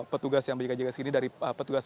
petugas yang berjaga jaga sini dari petugas